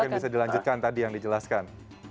bisa dilanjutkan tadi yang dijelaskan